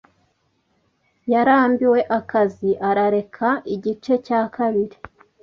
Yarambiwe akazi, arareka igice cya kabiri.